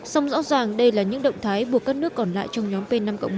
song rõ ràng đây là những động thái buộc các nước còn lại trong nhóm p năm một